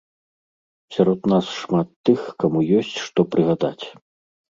Сярод нас шмат тых, каму ёсць, што прыгадаць.